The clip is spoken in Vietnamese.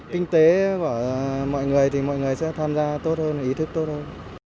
kinh tế của mọi người thì mọi người sẽ tham gia tốt hơn ý thức tốt hơn